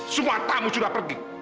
semua tamu sudah pergi